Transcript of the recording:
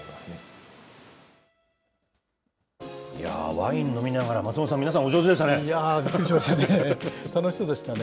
ワイン飲みながら、松本さん、皆さんお上手でしたね。